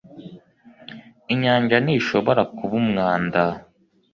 inyanja ntishobora kuba umwanda. ”